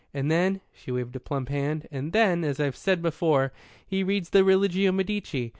And then" she waved a plump hand "and then, as I've mentioned before, he reads the Religio Medici.